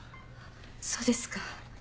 そうですか。